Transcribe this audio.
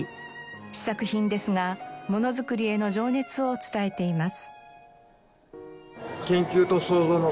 試作品ですがものづくりへの情熱を伝えています。